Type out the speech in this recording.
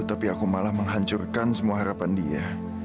tapi aku malah menghancurkan semua harapan dia